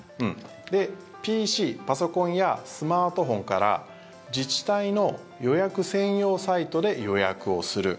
ＰＣ、パソコンやスマートフォンから自治体の予約専用サイトで予約をする。